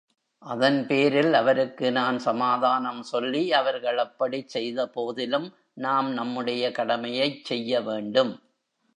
அதன் பேரில் அவருக்கு நான் சமாதானம் சொல்லி, அவர்கள் அப்படிச் செய்தபோதிலும், நாம் நம்முடைய கடமையைச் செய்ய வேண்டும்.